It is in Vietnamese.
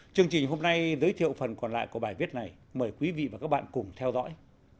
chương trình hôm nay giới thiệu phần còn lại của bài viết này mời quý vị và các bạn cùng theo dõi